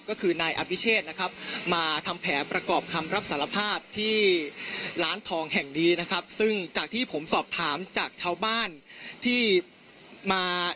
ก็คือนายอภิเชษนะครับมาทำแผนประกอบคำรับสารภาพที่ร้านทองแห่งนี้นะครับซึ่งจากที่ผมสอบถามจากชาวบ้านที่มา